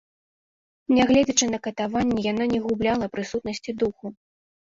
Нягледзячы на катаванні, яна не губляла прысутнасці духу.